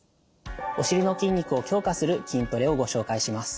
お尻の筋肉を強化する筋トレをご紹介します。